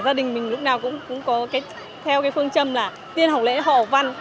gia đình mình lúc nào cũng có cái theo cái phương châm là tiên học lễ hậu văn